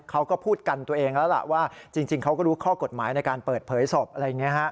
เขาก็พูดกันตัวเองแล้วล่ะว่าจริงเขาก็รู้ข้อกฎหมายในการเปิดเผยศพอะไรอย่างนี้ฮะ